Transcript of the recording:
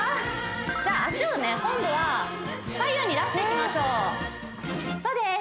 じゃあ脚を今度は左右に出していきましょうそうです